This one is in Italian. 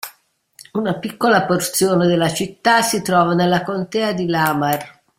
Una piccola porzione della città si trova nella Contea di Lamar.